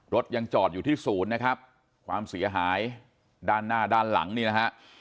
รถยังจอดอยู่ที่ศูนย์นะครับความเสียหายด้านหน้าด้านหลังนี่นะฮะ